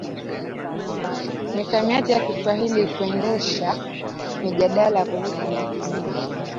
misamiati ya Kiswahili Kuendesha mijadala kuhusu matumizi